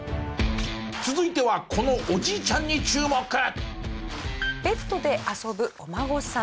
続いてはこのベッドで遊ぶお孫さん。